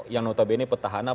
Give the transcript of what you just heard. yang notabene petahana